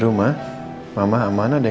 kebetulan aku pagi piang